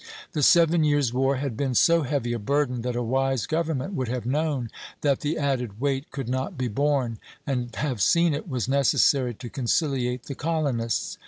The Seven Years' War had been so heavy a burden that a wise government would have known that the added weight could not be borne, and have seen it was necessary to conciliate the colonists.